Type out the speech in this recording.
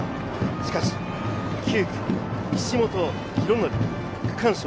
しかし９区、岸本大紀、区間賞。